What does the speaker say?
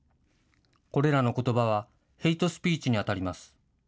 これらのことばはヘイトスピーチにあたります。